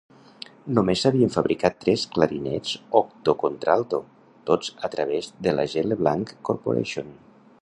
Només s'havien fabricat tres clarinets octocontralto, tots a través de la G. Leblanc Corporation.